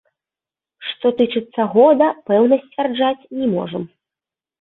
Што тычыцца года, пэўна сцвярджаць не можам.